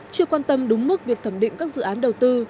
chưa quan tâm đúng mức việc thẩm định các dự án đầu tư